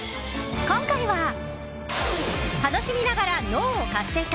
今回は、楽しみながら脳を活性化。